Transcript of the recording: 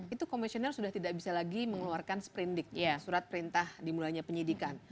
itu komisioner sudah tidak bisa lagi mengeluarkan sprindik surat perintah dimulainya penyidikan